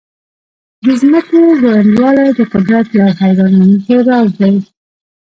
د ځمکې ځوړندوالی د قدرت یو حیرانونکی راز دی.